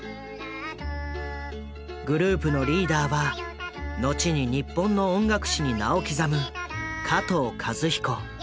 グループのリーダーは後に日本の音楽史に名を刻む加藤和彦。